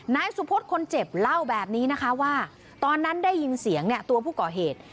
นายสุพธิ์คนเจ็บเล่าแบบนี้นะคะว่าตอนนั้นได้ยินเสียงเนี่ยตัวผู้ก่อเหตุ